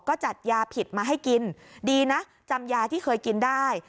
ก็จัดยาผิดมาให้กินดีนะจำยาที่เคยกินได้